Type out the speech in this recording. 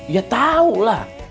ya tahu lah